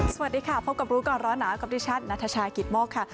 สวัสดีค่ะพบกับรู้ก่อนร้อนหนาวกับดิฉันนัทชายกิตโมกค่ะ